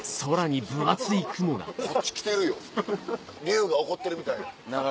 こっち来てるよ竜が怒ってるみたいな。